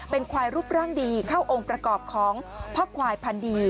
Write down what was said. เป็นควายรูปร่างดีเข้าองค์ประกอบของพ่อควายพันธุ์ดี